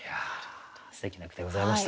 すてきな句でございました。